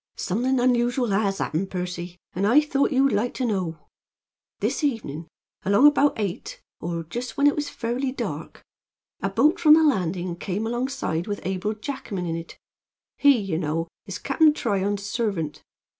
"Something unusual has happened, Percy, and I thought you'd like to know. This evenin', along about eight, or just when it was fairly dark, a boat from the landing came alongside with Abel Jackman in it. He, ye know, is Cap'n Tryon's servant.